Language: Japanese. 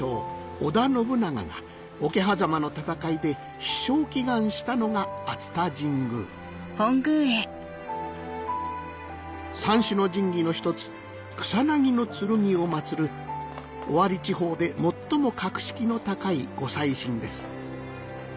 織田信長が桶狭間の戦いで必勝祈願したのが熱田神宮三種の神器の一つ草薙剣を祀る尾張地方で最も格式の高い御祭神です